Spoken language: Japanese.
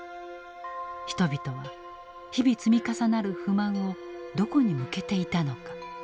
人々は日々積み重なる不満をどこに向けていたのか？